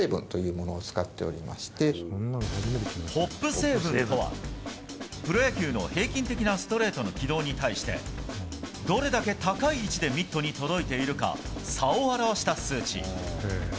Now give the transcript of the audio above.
ホップ成分とはプロ野球の平均的なストレートの軌道に対してどれだけ高い位置でミットに届いているか差を表した数値。